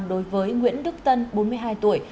đối với nguyễn đức tân bốn mươi hai tuổi